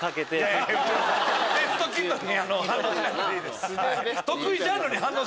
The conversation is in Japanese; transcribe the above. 『ベスト・キッド』に。